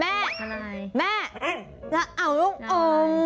แม่แม่จะเอาลูกอม